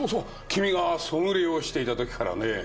君がソムリエをしていた時からねぇ。